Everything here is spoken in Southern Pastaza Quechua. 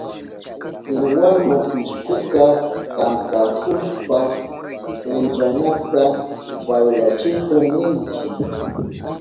Piwanu pishkuka kantahushpan punchanata baylachihun ninchi.